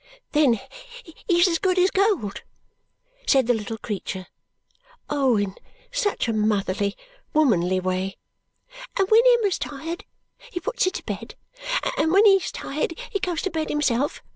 "Then he's as good as gold," said the little creature Oh, in such a motherly, womanly way! "And when Emma's tired, he puts her to bed. And when he's tired he goes to bed himself.